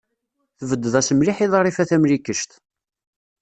Tbedded-as mliḥ i Ḍrifa Tamlikect.